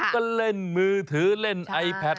ก็เล่นมือถือเล่นไอแพท